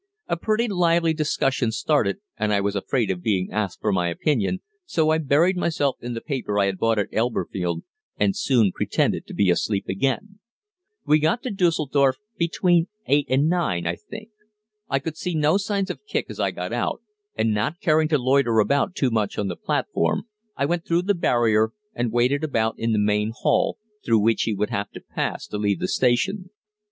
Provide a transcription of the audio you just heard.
A pretty lively discussion started, and I was afraid of being asked for my opinion, so I buried myself in the paper I had bought at Elberfeld and soon pretended to be asleep again. We got to Düsseldorf between 8 and 9, I think. I could see no signs of Kicq as I got out, and not caring to loiter about too much on the platform I went through the barrier and waited about in the main hall, through which he would have to pass to leave the station.